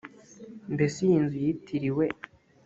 mbese iyi nzu yitiriwe